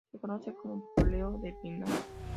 Se conoce como "poleo de pinar".